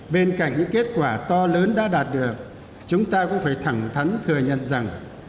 bên cạnh những kết quả to lớn đã đạt được chúng ta cũng phải thẳng thắn thừa nhận rằng